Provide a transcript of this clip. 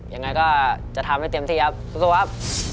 ยังไงก็จะทำให้เต็มที่ครับสู้ครับ